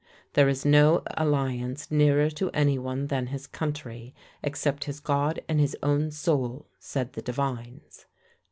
There is no alliance nearer to any one than his country. "Except his God and his own soul, said the divines.